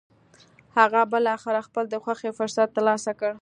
هغه بالاخره خپل د خوښې فرصت تر لاسه کړ.